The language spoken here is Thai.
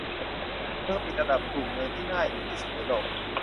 เมืองติดอันดับกลุ่มเมืองที่น่าอยู่ที่สุดในโลก